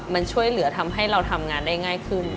มันช่วยเหลือทำให้เราทำงานได้ง่ายขึ้น